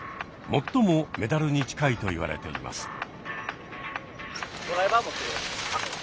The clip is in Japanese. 最もメダルに近いといわれています。